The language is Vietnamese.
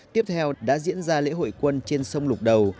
tiếp theo đã diễn ra lễ hội quân trên sông lục đầu